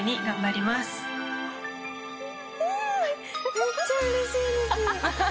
めっちゃうれしいです。